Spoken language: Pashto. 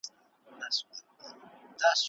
همکاري د خلګو ترمنځ کینه له منځه وړي.